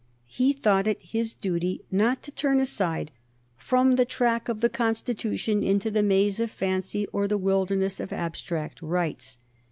He thought it his duty not to turn aside "from the track of the Constitution into the maze of fancy or the wilderness of abstract rights."